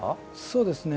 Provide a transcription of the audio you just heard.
そうですね。